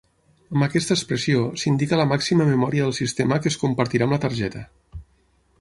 Amb aquesta expressió s'indica la màxima memòria del sistema que es compartirà amb la targeta.